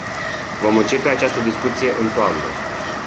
Vom începe această discuție în toamnă.